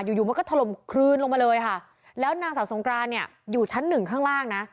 อยู่อยู่มันก็ถล่มคลืนลงมาเลยค่ะแล้วนางสาวสงกรานเนี่ยอยู่ชั้นหนึ่งข้างล่างนะ